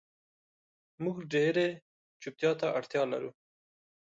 مونږ ډیرې چوپتیا ته اړتیا لرو